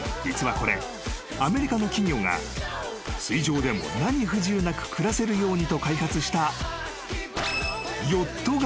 実はこれアメリカの企業が水上でも何不自由なく暮らせるようにと開発した］